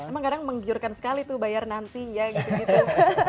emang kadang menggiurkan sekali tuh bayar nanti ya gitu gitu